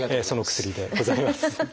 その薬でございます。